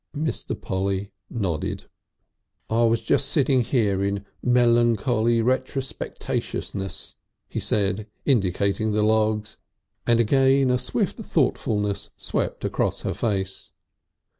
Mr. Polly nodded. "I was just sitting there in melancholy rectrospectatiousness," he said, indicating the logs, and again a swift thoughtfulness swept across her face.